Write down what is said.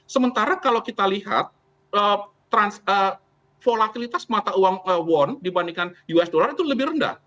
sementara kalau kita lihat volatilitas mata uang won dibandingkan us dollar itu lebih rendah